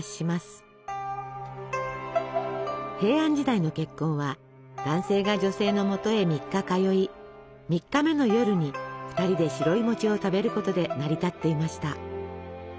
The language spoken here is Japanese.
平安時代の結婚は男性が女性のもとへ３日通い３日目の夜に２人で白いを食べることで成り立っていました。